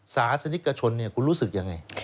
ศาสนิกชนคุณรู้สึกยังไง